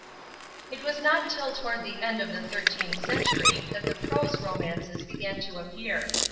It was not till toward the end of the thirteenth century that the PROSE romances began to appear.